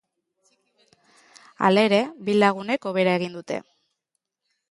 Halere, bi lagunek hobera egin dute.